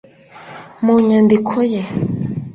mu nyandiko ye,